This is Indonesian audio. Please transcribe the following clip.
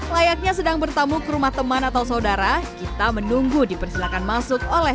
layaknya sedang bertamu ke rumah teman atau saudara kita menunggu dipersilakan masuk oleh